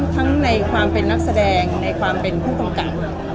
ทั้งในความเป็นนักแสดงในความเป็นผู้กำกับ